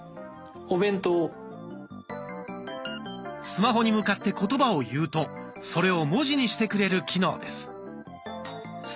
スマホに向かって言葉を言うとそれを文字にしてくれる機能です。